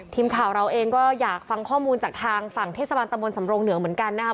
ทีมข่าวเราเองก็อยากฟังข้อมูลจากทางฝั่งเทศบาลตะบนสำรงเหนือเหมือนกันนะครับ